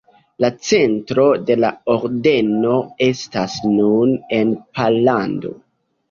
La centro de la ordeno estas nun en Pollando.